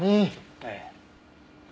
ええ。